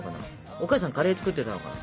お母さんカレー作ってたのかな？